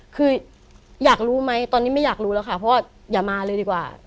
คืออยากรู้ไหมตอนนี้ไม่อยากรู้แล้วค่ะเพราะว่าอย่ามาเลยดีกว่า